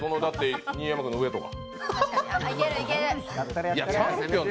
新山君の上とか。